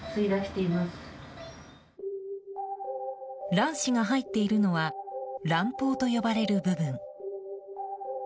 卵子が入っているのは卵胞と呼ばれる部分。